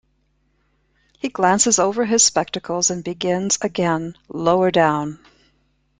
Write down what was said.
He glances over his spectacles and begins again lower down.